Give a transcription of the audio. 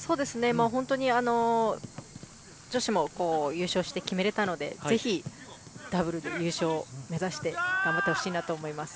本当に女子も優勝して決めれたのでぜひダブルで優勝を目指して頑張ってほしいと思います。